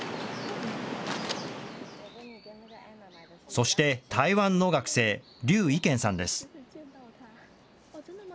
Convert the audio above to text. そして台湾の学生、劉懿萱さんです。